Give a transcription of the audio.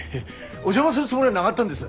お邪魔するつもりはながったんです。